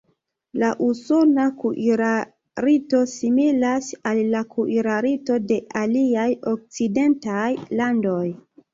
La usona kuirarto similas al la kuirarto de aliaj okcidentaj landoj.